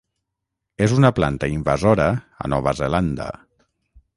És una planta invasora a Nova Zelanda.